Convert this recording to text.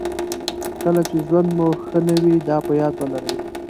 کله چې ژوند مو ښه نه وي دا په یاد ولرئ.